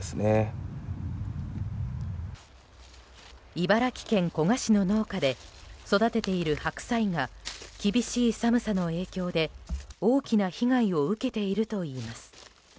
茨城県古河市の農家で育てている白菜が厳しい寒さの影響で大きな被害を受けているといいます。